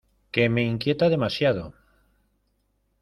que me inquieta demasiado.